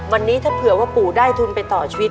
วันนี้ถ้าเผื่อว่าปู่ได้ทุนไปต่อชีวิต